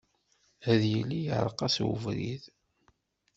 Ad yili iεreq-as ubrid.